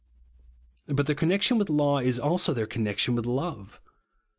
But their connection wdth law is also their connection wdth love.